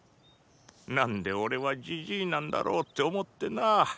なンで俺はじじいなんだろうって思ってな。